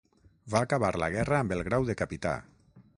Va acabar la guerra amb el grau de capità.